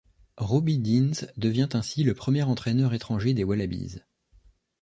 Robbie Deans devient ainsi le premier entraîneur étranger des Wallabies.